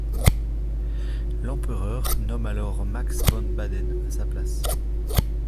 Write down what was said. L'empereur nomme alors Max von Baden à sa place.